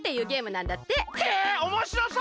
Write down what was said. へえおもしろそう！